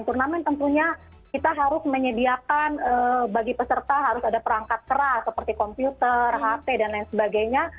turnamen tentunya kita harus menyediakan bagi peserta harus ada perangkat keras seperti komputer hp dan lain sebagainya